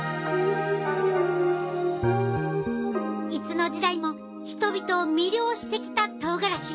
いつの時代も人々を魅了してきたとうがらし。